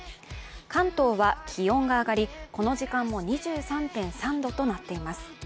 関東は気温が上がり、この時間も２３．３度となっています。